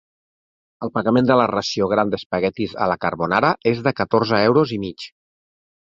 El pagament de la ració gran d'espaguetis a la carbonara és de catorze euros i mig.